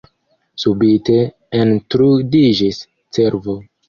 Subite entrudiĝis cervo.